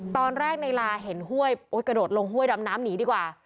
ตอนแรกในลาเห็นห้วยกระโดดลงห้วยดำน้ำหนีดีกว่า